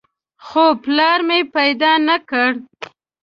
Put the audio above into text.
خو پلار مې پیدا نه کړ.